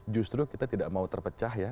justru kita tidak mau terpecah ya